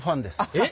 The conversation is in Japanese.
えっ。